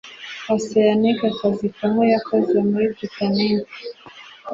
Oceanic akazi kamwe yakoze muri Titanic,